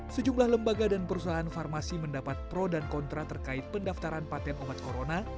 sejumlah lembaga dan perusahaan farmasi mendapat pro dan kontra terkait pendaftaran patent obat corona